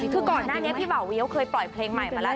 คือก่อนหน้านี้พี่บ่าเวียวเคยปล่อยเพลงใหม่มาแล้ว